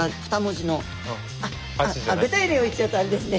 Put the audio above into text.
あ具体例を言っちゃうとあれですね。